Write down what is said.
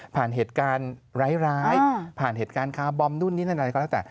เหตุการณ์ร้ายผ่านเหตุการณ์คาร์บอมนู่นนี่นั่นอะไรก็แล้วแต่